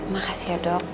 makasih ya dok